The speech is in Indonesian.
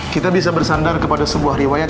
kita bisa bersandar kepada sebuah riwayat